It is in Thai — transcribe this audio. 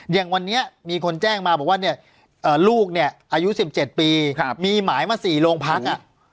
อย่างวันนี้มีคนแจ้งมาบอกว่าเนี่ยลูกเนี่ยอายุ๑๗ปีมีหมายมา๔โรงพัก